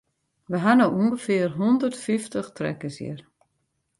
We ha no ûngefear hondert fyftich trekkers hjir.